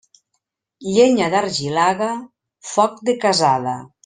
Llenya d'argilaga, foc de casada.